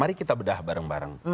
mari kita bedah bareng bareng